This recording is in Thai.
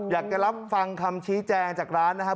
อยากจะรับฟังคำชี้แจงจากร้านนะครับ